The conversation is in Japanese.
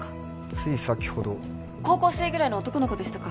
つい先ほど高校生ぐらいの男の子でしたか？